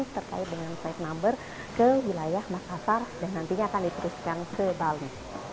terkait dengan flight number ke wilayah makassar dan nantinya akan diteruskan ke bali